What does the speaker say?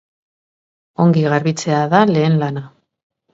Ongi garbitzea da lehen lana.